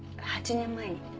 ８年前に。